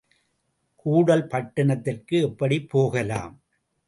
கூடல் பட்டணத்திற்கு எப்படிப் போகலாம்?